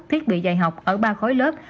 thiết bị dạy học ở ba khối lớp